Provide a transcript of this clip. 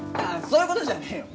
そういうことじゃねえよ